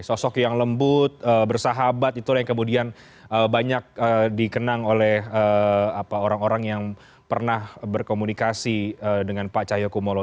sosok yang lembut bersahabat itulah yang kemudian banyak dikenang oleh orang orang yang pernah berkomunikasi dengan pak cahyokumolo